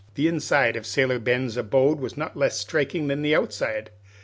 The inside of Sailor Ben's abode was not less striking than the outside.